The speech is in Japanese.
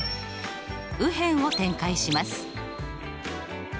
右辺を展開します。